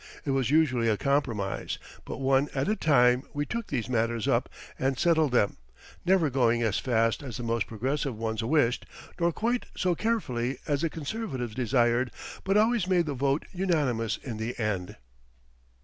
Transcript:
It was usually a compromise, but one at a time we took these matters up and settled them, never going as fast as the most progressive ones wished, nor quite so carefully as the conservatives desired, but always made the vote unanimous in the end.